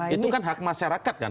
itu kan hak masyarakat kan